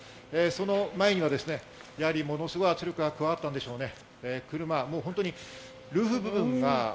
そのラインにはものすごい圧力が加わったんでしょうね。